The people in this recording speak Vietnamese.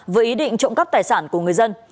với ý định trộm cắp tài sản của người dân